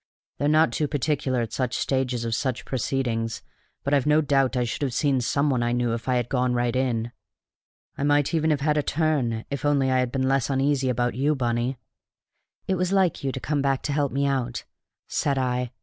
They're not too particular at such stages of such proceedings, but I've no doubt I should have seen someone I knew if I had none right in. I might even have had a turn, if only I had been less uneasy about you, Bunny." "It was like you to come back to help me out," said I.